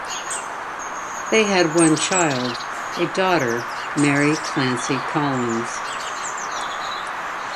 They had one child: a daughter, Mary Clancy Collins.